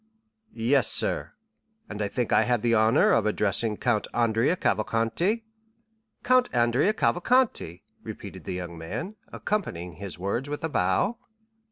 "Yes, sir, and I think I have the honor of addressing Count Andrea Cavalcanti?" "Count Andrea Cavalcanti," repeated the young man, accompanying his words with a bow.